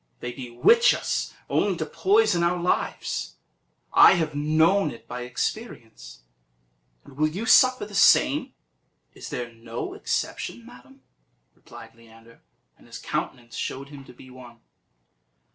They bewitch us only to poison our lives; I have known it by experience; and will you suffer the same?" "Is there no exception, madam?" replied Leander, and his countenance showed him to be one.